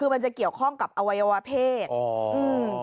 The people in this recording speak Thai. มันจะเกี่ยวข้องกับอวัยวะเผชิก